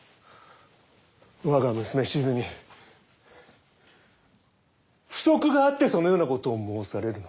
我が娘しずに不足があってそのようなことを申されるのか？